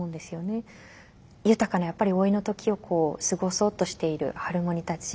豊かな老いの時を過ごそうとしているハルモニたち。